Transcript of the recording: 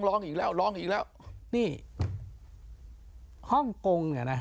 ร้องอีกแล้วร้องอีกแล้วนี่ฮ่องกงเนี่ยนะ